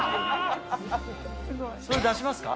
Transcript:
それ、出しますか？